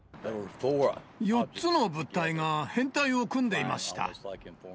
４つの物体が編隊を組んでいました。